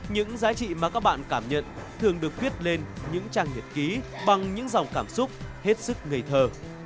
những giá trị mà các bạn cảm nhận thường được viết lên những trang nhật ký bằng những dòng cảm xúc hết sức ngây thơ